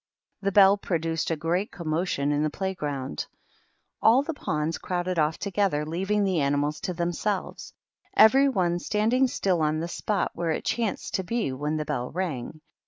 The bell produced a great commotion in the playground. All the pawns crowded off together, leaving the animals to themselves, — every one standing still on the spot where it chanced to be when the bell rang.